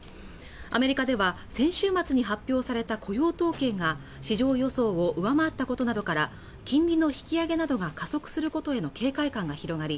アメリカでは先週末に発表された雇用統計が市場予想を上回ったことなどから金利の引き上げなどが加速することへの警戒感が広がり